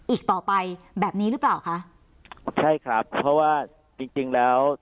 อีกต่อไปแบบนี้หรือเปล่าคะใช่ครับเพราะว่าจริงจริงแล้ว